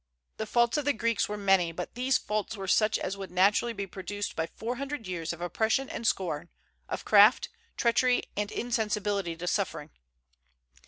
The faults of the Greeks were many; but these faults were such as would naturally be produced by four hundred years of oppression and scorn, of craft, treachery, and insensibility to suffering.